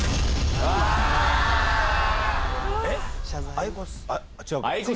えっ？